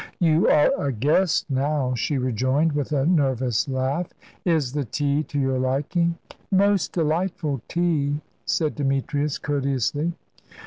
"You are a guest now," she rejoined, with a nervous laugh; "is the tea to your liking?" "Most delightful tea," said Demetrius, courteously.